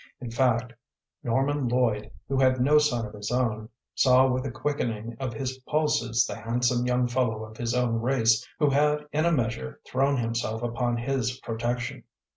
In fact, Norman Lloyd, who had no son of his own, saw with a quickening of his pulses the handsome young fellow of his own race who had in a measure thrown himself upon his protection.